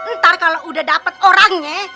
ntar kalau udah dapat orangnya